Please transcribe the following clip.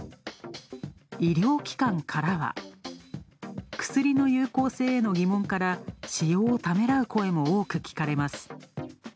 医療機関からは、薬の有効性への疑問から使用をためらう声も多くきかれます。